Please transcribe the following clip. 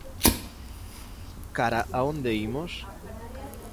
¿Cara a onde imos?